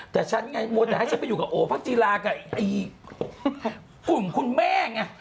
แต่ฉันไงมัวแต่ให้ฉันไปอยู่กับโอพักจีรากับกลุ่มคุณแม่ไง